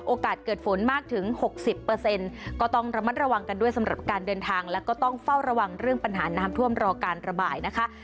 โอกาสเกิดฝนมากถึง๖๐ก็ต้องระมัดระวังกันด้วยสำหรับการเดินทางแล้วก็ต้องเฝ้าระวังเรื่องปัญหาน้ำท่วมรอการระบายนะคะ